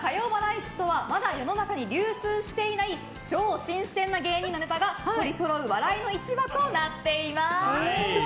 市とはまだ世の中に流通していない超新鮮な芸人のネタがとりそろう笑いの市場となっています。